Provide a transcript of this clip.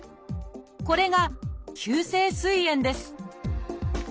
これが「急性すい炎」です